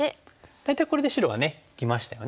大体これで白はね生きましたよね。